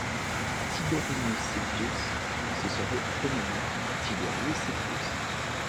Tiberinus Silvius se serait prénommé Tiberius Silvius.